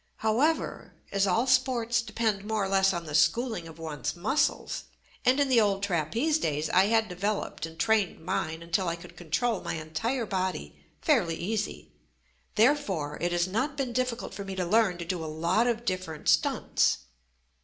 However, as all sports depend more or less on the schooling of one's muscles, and in the old trapeze days I had developed and trained mine until I could control my entire body fairly easy, therefore, it has not been difficult for me to learn to do a lot of different stunts.